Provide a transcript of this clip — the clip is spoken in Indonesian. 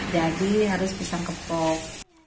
jadi harus pisang kepok